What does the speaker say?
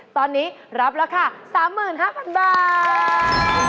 ตอนนี้รับราคา๓๕๐๐๐บาท